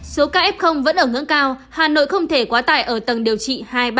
số ca f vẫn ở ngưỡng cao hà nội không thể quá tải ở tầng điều trị hai ba